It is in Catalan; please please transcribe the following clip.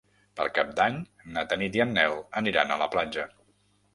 Per Cap d'Any na Tanit i en Nel aniran a la platja.